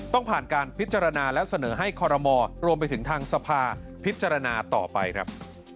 ต้องผ่านการพิจารณาและเสนอให้คอรมอรวมไปถึงทางสภาพิจารณาต่อไปครับ